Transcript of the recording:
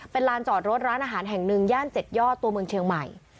เป็นลานจอดรถร้านอาหารแห่งหนึ่งย่าน๗ยอดตัวเมืองเชียงใหม่